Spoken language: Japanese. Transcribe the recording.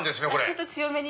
ちょっと強めに。